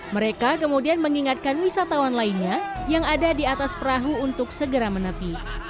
mereka kemudian mengingatkan wisatawan lainnya yang ada di atas perahu untuk segera menepi